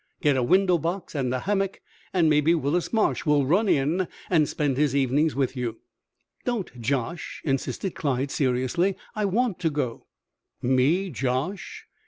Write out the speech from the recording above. Get a window box and a hammock, and maybe Willis Marsh will run in and spend his evenings with you." "Don't josh!" insisted Clyde, seriously. "I want to go " "Me josh?"